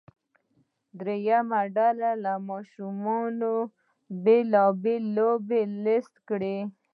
دریمه ډله دې د ماشومانو بیلا بېلې لوبې لیست کړي.